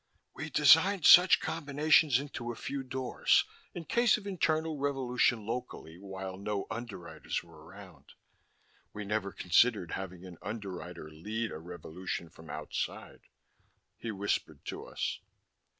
"We designed such combinations into a few doors in case of internal revolution locally while no Underwriters were around. We never considered having an Underwriter lead a revolution from outside," he whispered to us.